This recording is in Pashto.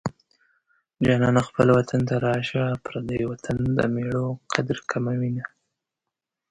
جانانه خپل وطن ته راشه پردی وطن د مېړو قدر کموينه